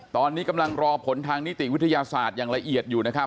ตอนนี้กำลังรอผลทางนิติวิทยาศาสตร์อย่างละเอียดอยู่นะครับ